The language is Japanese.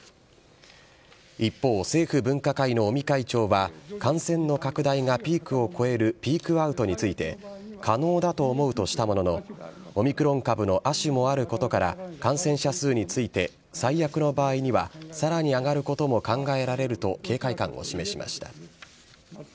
一方、政府分科会の尾身会長は、感染の拡大がピークを超えるピークアウトについて、可能だと思うとしたものの、オミクロン株の亜種もあることから、感染者数について、最悪の場合には、さらに上がることも考えられると警戒感を示しました。